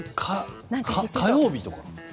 火曜日とか？